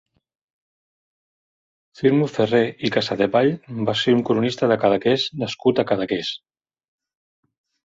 Firmo Ferrer i Casadevall va ser un cronista de Cadaqués nascut a Cadaqués.